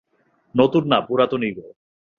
নতুন না, পুরাতন ইগো।